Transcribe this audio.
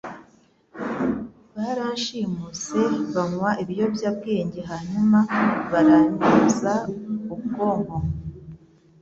Baranshimuse banywa ibiyobyabwenge hanyuma baranyoza ubwonko